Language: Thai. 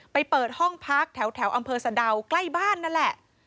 เปิดห้องพักแถวอำเภอสะดาวใกล้บ้านนั่นแหละ